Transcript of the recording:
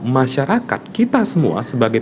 masyarakat kita semua sebagai